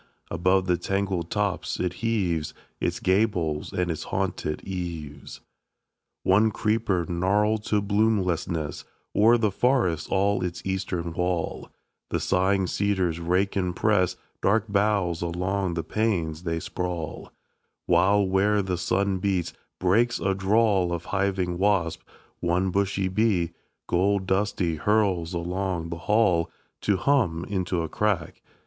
Above the tangled tops it heaves Its gables and its haunted eaves. 2. One creeper, gnarled to bloomlessness, O'er forests all its eastern wall; The sighing cedars rake and press Dark boughs along the panes they sprawl; While, where the sun beats, breaks a drawl Of hiving wasps; one bushy bee, Gold dusty, hurls along the hall To hum into a crack.